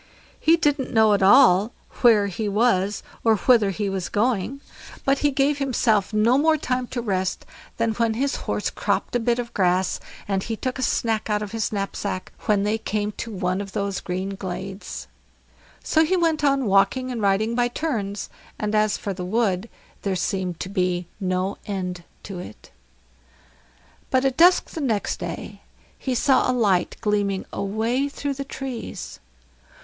He didn't know at all where he was or whither he was going, but he gave himself no more time to rest than when his horse cropped a bit of grass, and he took a snack out of his knapsack when they came to one of those green glades. So he went on walking and riding by turns, and as for the wood there seemed to be no end to it. But at dusk the next day he saw a light gleaming away through the trees.